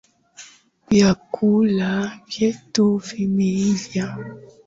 Vyakula vyetu vimeiva